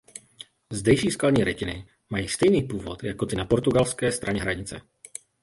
Zdejší skalní rytiny mají stejný původ jako ty na portugalské straně hranice.